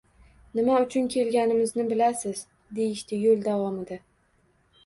«Nima uchun kelganimizni bilasiz...» deyishdi yo‘l davomida.